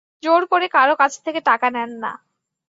জোর করে কারও কাছ থেকে টাকা নেন না।